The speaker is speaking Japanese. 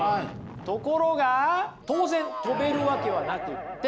ところが当然飛べるわけはなくて。